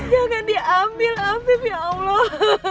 jangan diambil afif ya allah